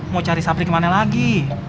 mau cari sapri kemana lagi